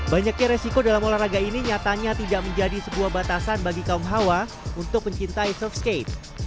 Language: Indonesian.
banyaknya resiko dalam olahraga ini nyatanya tidak menjadi sebuah batasan bagi kaum hawa untuk mencintai surf skate